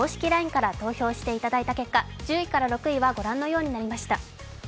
ＬＩＮＥから投票していただいた結果、１０位から６位は御覧のようになりました。